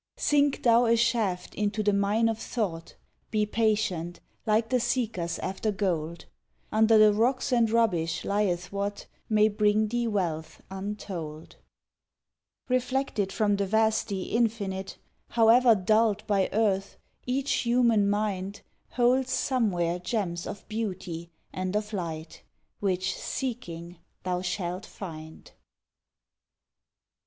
Sink thou a shaft into the mine of thought; Be patient, like the seekers after gold; Under the rocks and rubbish lieth what May bring thee wealth untold. Reflected from the vasty Infinite, However dulled by earth, each human mind Holds somewhere gems of beauty and of light Which, seeking, thou shalt find.